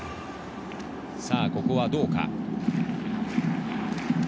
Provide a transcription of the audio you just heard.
さぁここはどうか。